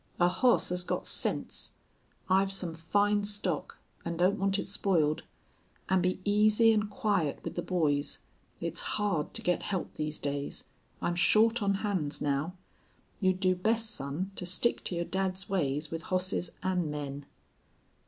A hoss has got sense. I've some fine stock, an' don't want it spoiled. An' be easy an' quiet with the boys. It's hard to get help these days. I'm short on hands now.... You'd do best, son, to stick to your dad's ways with hosses an' men."